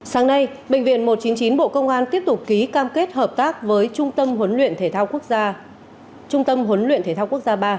sáng nay bệnh viện một trăm chín mươi chín bộ công an tiếp tục ký cam kết hợp tác với trung tâm huấn luyện thể thao quốc gia ba